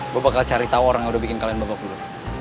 gue bakal cari tau orang yang udah bikin kalian begok dulu